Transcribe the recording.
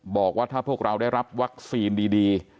บอกว่าถ้าพวกเราได้รับวัคซีนดี